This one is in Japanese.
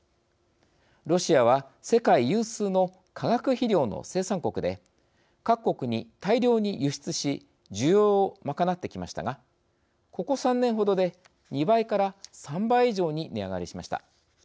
ロシアは世界有数の化学肥料の生産国で各国に大量に輸出し需要を賄ってきましたがここ３年程で、２倍から３倍以上に値上がりしました。